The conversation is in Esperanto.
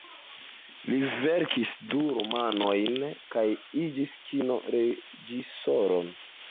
Li verkis du romanojn, kaj iĝis kino-reĝisoron.